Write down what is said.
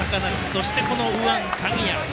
そして、右腕、鍵谷。